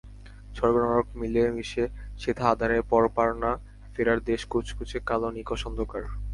স্বর্গ নরক মিলে মিশে সেথা আঁধারের পরপারনা ফেরার দেশ কুচকুচে কাল নিকষ অন্ধকার।